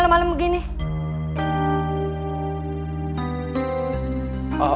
sudah pada kesedihan